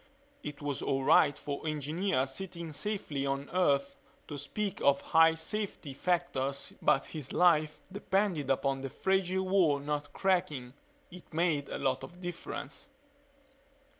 It was all right for engineers sitting safely on Earth to speak of high safety factors but his life depended upon the fragile wall not cracking. It made a lot of difference.